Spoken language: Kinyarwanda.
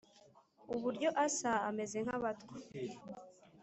uburyo asa ameze nkabatwa